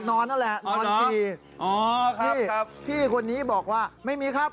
อันนี้เรียกหมอบ